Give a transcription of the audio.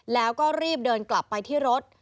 แล้วก็รีบเดินกลับไปที่รถ